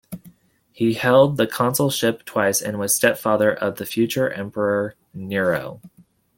He held the consulship twice, and was stepfather of the future emperor Nero.